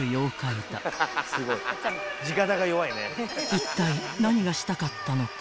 ［いったい何がしたかったのか］